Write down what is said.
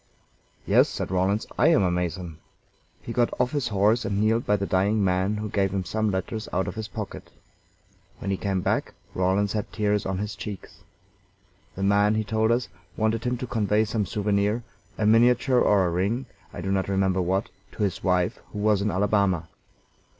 "Yes," said Rawlins, "I am a Mason." He got off his horse and kneeled by the dying man, who gave him some letters out of his pocket. When he came back Rawlins had tears on his cheeks. The man, he told us, wanted him to convey some souvenir a miniature or a ring, I do not remember what to his wife, who was in Alabama.